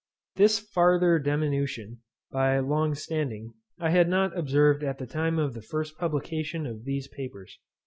This farther diminution, by long standing, I had not observed at the time of the first publication of these papers.